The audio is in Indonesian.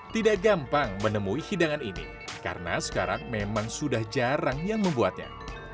tidak gampang menemui hidangan ini karena sekarang memang sudah jarang yang membuatnya